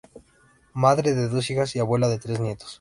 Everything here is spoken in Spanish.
Madre de dos hijas y abuela de tres nietos.